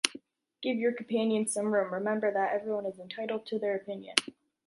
Give your companions some room, remember that everyone is entitled to their opinion.